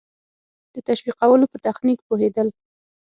د تشویقولو په تخنیک پوهېدل.